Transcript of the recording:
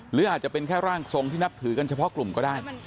หรืออาจจะเป็นแค่ร่างทรงที่นับถือกันเฉพาะกลุ่มก็ได้